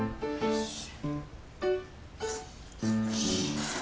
よし。